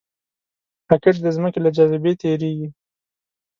راکټ د ځمکې له جاذبې تېریږي